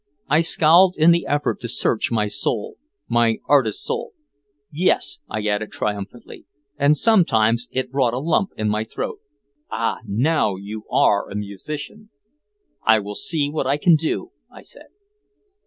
I scowled in the effort to search my soul, my artist's soul. "Yes," I added triumphantly, "and sometimes it brought a lump in my throat!" "Ah! Now you are a musician!" "I will see what I can do," I said.